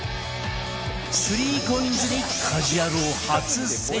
ＣＯＩＮＳ に家事ヤロウ初潜入！